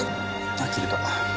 あっ切れた。